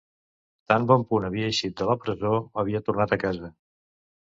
Tan bon punt havia eixit de la presó, havia tornat a casa.